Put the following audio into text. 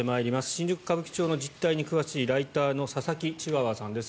新宿・歌舞伎町の実態に詳しいライターの佐々木チワワさんです。